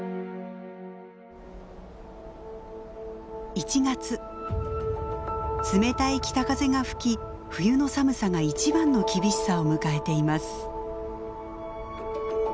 １月冷たい北風が吹き冬の寒さが一番の厳しさを迎えています。